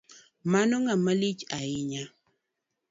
Mano ng'amalich hainya.